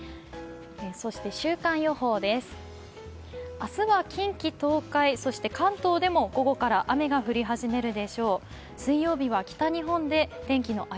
明日は近畿、東海、そして関東でも午後から雨が降り始めるでしょう。